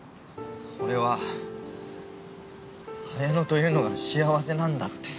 俺はあやのといるのが幸せなんだって。